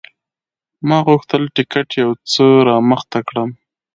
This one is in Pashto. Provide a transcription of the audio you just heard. ما غوښتل ټکټ یو څه رامخته کړم.